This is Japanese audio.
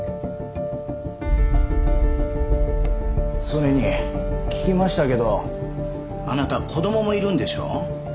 それに聞きましたけどあなた子供もいるんでしょ？